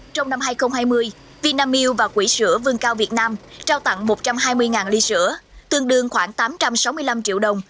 trong năm hai nghìn hai mươi vinamilk và quỹ sữa vương cao việt nam trao tặng một trăm hai mươi ly sữa tương đương khoảng tám trăm sáu mươi năm triệu đồng